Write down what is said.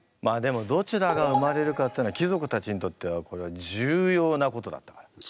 まあでもどちらが生まれるかっていうのは貴族たちにとってはこれは重要なことだったから。